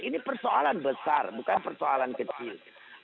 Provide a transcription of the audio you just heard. ini persoalan besar bukan persoalan kecil